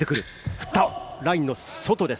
振った、ラインの外です。